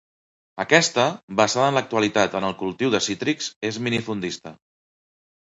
Aquesta, basada en l'actualitat en el cultiu de cítrics, és minifundista.